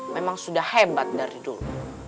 memang sudah hebat dari dulu